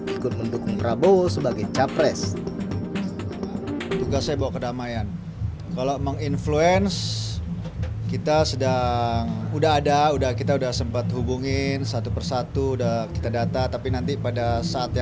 ikut mendukung relawan di jakarta dan di jakarta